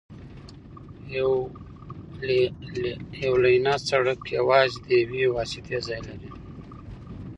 یو لینه سړکونه یوازې د یوې واسطې ځای لري